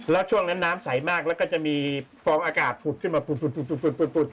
แล้วช่วงนั้นน้ำใสมากแล้วก็จะมีฟองอากาศผุดขึ้นมาผุด